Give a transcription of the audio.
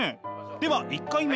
では１回目！